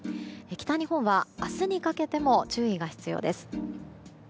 北日本は明日にかけても注意が必要です。